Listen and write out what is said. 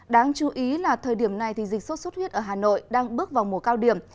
đáng chú ý là thời điểm này dịch sốt xuất huyết ở hà nội đang bước vào mùa cao điểm